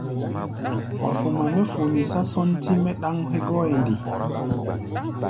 Wa foma mɛ́ fomí nɛ sɔ́ntí-mɛ́ ɗáŋ hégɔ́ʼɛ nde?